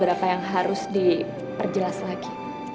berapa yang harus diperjelas lagi